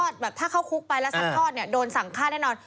ถ้าเข้าคุกไปแล้วซัดทอดเนี่ยโดนสั่งฆ่าแน่นอน